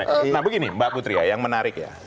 nah begini mbak putri ya yang menarik ya